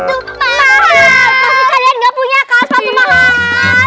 pasti kalian nggak punya kalau sepatu mahal